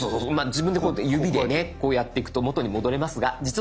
自分でこうやって指でねこうやっていくと元に戻れますが実は。